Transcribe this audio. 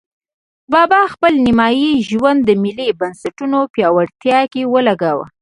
بابا خپل نیمایي ژوند د ملي بنسټونو پیاوړتیا کې ولګاوه.